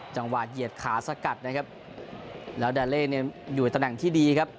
เหยียดขาสกัดนะครับแล้วดาเล่เนี่ยอยู่ตำแหน่งที่ดีครับ